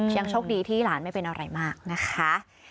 ยังโชคดีที่หลานไม่เป็นอะไรมากนะคะ